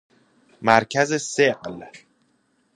مرکز ثقل